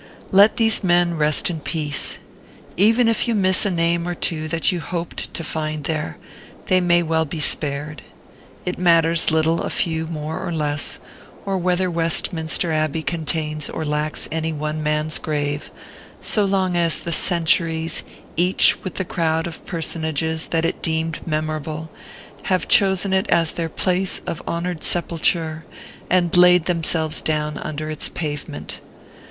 Let these men rest in peace. Even if you miss a name or two that you hoped to find there, they may well be spared. It matters little a few more or less, or whether Westminster Abbey contains or lacks any one man's grave, so long as the Centuries, each with the crowd of personages that it deemed memorable, have chosen it as their place of honored sepulture, and laid themselves down under its pavement.